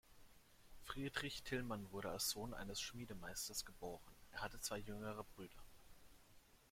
Friedrich Tillmann wurde als Sohn eines Schmiedemeisters geboren; er hatte zwei jüngere Brüder.